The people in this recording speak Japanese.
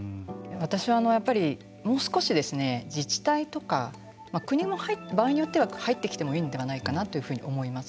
私はやっぱりもう少しですね、自治体とか国も場合によっては入ってきてもいいのではないかというふうに思います。